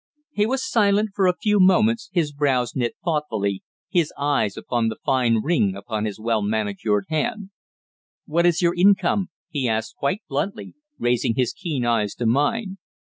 He was silent for a few moments, his brows knit thoughtfully, his eyes upon the fine ring upon his well manicured hand. "What is your income?" he asked quite bluntly, raising his keen eyes to mine.